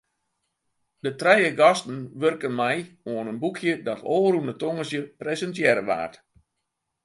De trije gasten wurken mei oan in boekje dat ôfrûne tongersdei presintearre waard.